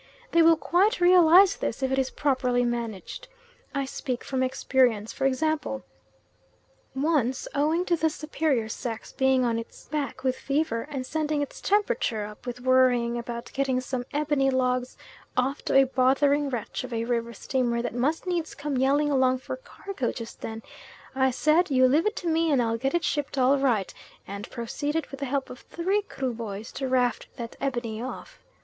They will quite realise this if it is properly managed. I speak from experience; for example, once, owing to the superior sex being on its back with fever and sending its temperature up with worrying about getting some ebony logs off to a bothering wretch of a river steamer that must needs come yelling along for cargo just then, I said, "You leave it to me, I'll get it shipped all right," and proceeded, with the help of three Kruboys, to raft that ebony off.